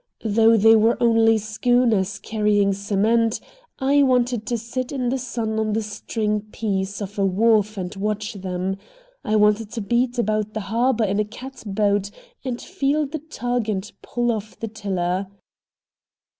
Though they were only schooners carrying cement, I wanted to sit in the sun on the string piece of a wharf and watch them. I wanted to beat about the harbor in a catboat, and feel the tug and pull of the tiller.